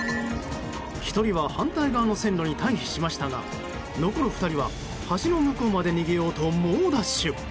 １人は反対側の線路に退避しましたが残る２人は、橋の向こうまで逃げようと猛ダッシュ。